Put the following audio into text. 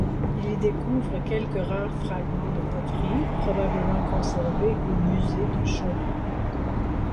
Il y découvre quelques rares fragments de poteries, probablement conservés au musée de Cholet.